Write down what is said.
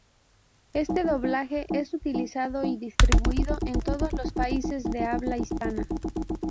Este doblaje es utilizado y distribuido en todos los países de habla hispana.